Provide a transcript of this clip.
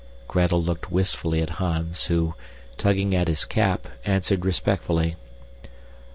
Gretel looked wistfully at Hans, who, tugging at his cap, answered respectfully.